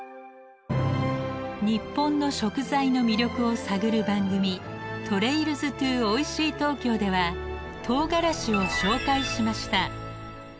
日本の食材の魅力を探る番組「ＴｒａｉｌｓｔｏＯｉｓｈｉｉＴｏｋｙｏ」ではとうがらしを紹介しました。